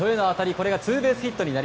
これがツーベースヒット。